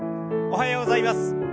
おはようございます。